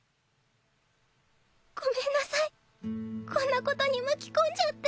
ごめんなさいこんなことに巻き込んじゃって。